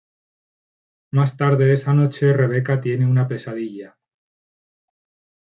Más tarde esa noche, Rebecca tiene una pesadilla.